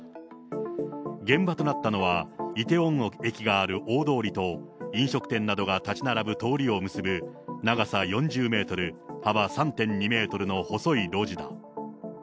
現場となったのは、イテウォン駅がある大通りと、飲食店などが建ち並ぶ通りを結ぶ長さ４０メートル、幅３．２メートルの細い路地だ。